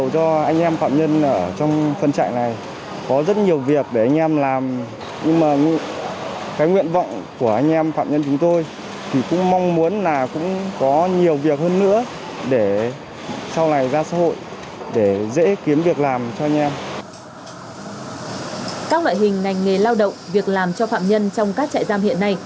các loại hình ngành nghề lao động việc làm cho phạm nhân trong các trại giam hiện nay